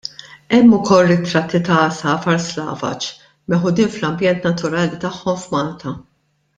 Hemm ukoll ritratti ta' għasafar slavaġ meħudin fl-ambjent naturali tagħhom f'Malta.